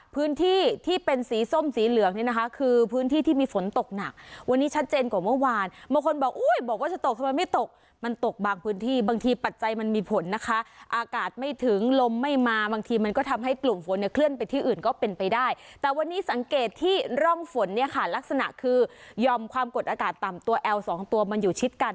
พื้นที่ที่เป็นสีส้มสีเหลืองเนี่ยนะคะคือพื้นที่ที่มีฝนตกหนักวันนี้ชัดเจนกว่าเมื่อวานบางคนบอกอุ้ยบอกว่าจะตกทำไมไม่ตกมันตกบางพื้นที่บางทีปัจจัยมันมีผลนะคะอากาศไม่ถึงลมไม่มาบางทีมันก็ทำให้กลุ่มฝนเนี่ยเคลื่อนไปที่อื่นก็เป็นไปได้แต่วันนี้สังเกตที่ร่องฝนเนี่ยค่ะลักษณะคือยอมความกดอากาศต่ำตัวแอลสองตัวมันอยู่ชิดกัน